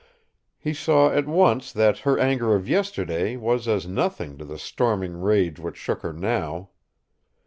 He saw at once that her anger of yesterday was as nothing to the storming rage which shook her now.